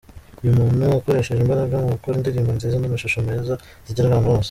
Iyo umuntu akoresheje imbaraga mu gukora indirimbo nziza n’amashusho meza zigera ahantu hose.